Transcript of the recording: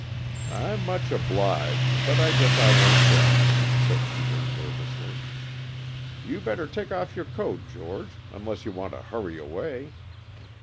"I'm much obliged, but I guess I won't sell," said Peter nervously. "You better take off your coat, George, unless you want to hurry away.